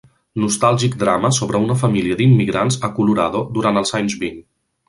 Nostàlgic drama sobre una família d'immigrants a Colorado durant els anys vint.